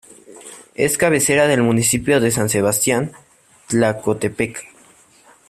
Es cabecera del municipio de San Sebastián Tlacotepec.